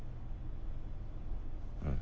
うん。